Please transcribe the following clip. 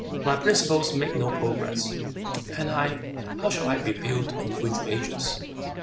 But my principles make no progress, and I, how shall I be viewed in future ages?"